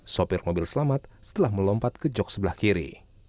sopir mobil selamat setelah melompat ke jok sebelah kiri